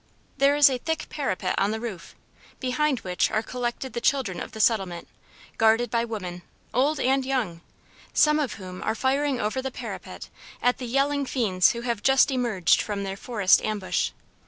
There is a thick parapet on the roof, behind which are collected the children of the settlement guarded by women, old and young, some of whom are firing over the parapet at the yelling fiends who have just emerged from their forest ambush.